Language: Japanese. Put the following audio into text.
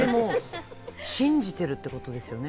信じてるってことですよね。